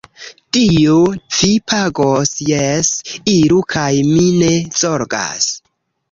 Dio vin pagos, jes, iru kaj mi ne zorgas.